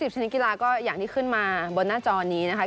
ชนิดกีฬาก็อย่างที่ขึ้นมาบนหน้าจอนี้นะคะ